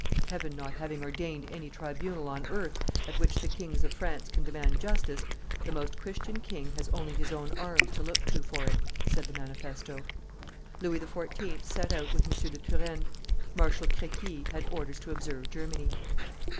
"Heaven not having ordained any tribunal on earth at which the Kings of France can demand justice, the Most Christian King has only his own arms to look to for it," said the manifesto. Louis XIV. set out with M. de Turenne. Marshal Crequi had orders to observe Germany.